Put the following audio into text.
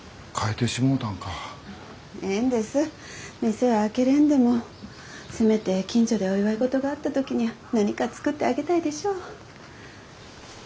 店は開けれんでもせめて近所でお祝い事があった時には何か作ってあげたいでしょう。